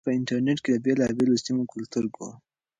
موږ په انټرنیټ کې د بېلابېلو سیمو کلتور ګورو.